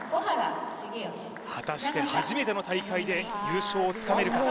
果たして初めての大会で優勝をつかめるか？